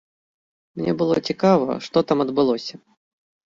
Мне было цікава, што там адбылося.